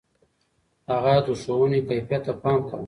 هغه د ښوونې کيفيت ته پام کاوه.